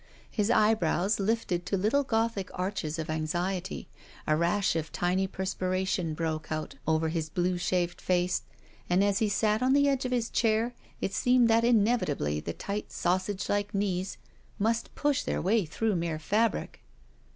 His eyebrows lifted to little Gothic arches of anxiety, a rash of tiny i)erspiration broke out over his blue shaved face, and as he sat on the edge of his chair it seemed that inevitably the tight sausageUke knees must push their way through mere fabric.